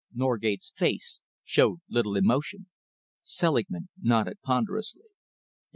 Norgate's face showed little emotion. Selingman nodded ponderously.